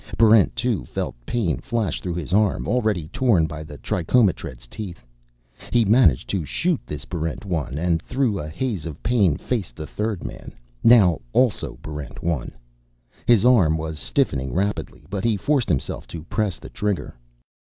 Barrent 2 felt pain flash through his arm, already torn by the trichomotred's teeth. He managed to shoot this Barrent 1, and through a haze of pain faced the third man, now also Barrent 1. His arm was stiffening rapidly, but he forced himself to press the trigger....